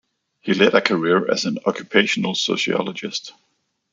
He led a career as an occupational sociologist.